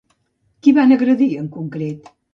Qui van agredir, en concret?